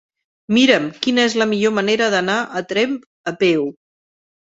Mira'm quina és la millor manera d'anar a Tremp a peu.